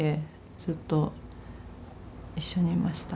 ずっと一緒にいました。